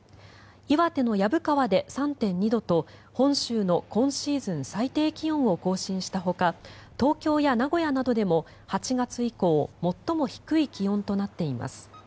岩手の薮川で３．２度と本州の今シーズン最低気温を更新したほか東京や名古屋などでも８月以降、最も低い気温となっています。